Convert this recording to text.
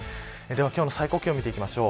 今日の最高気温を見ていきましょう。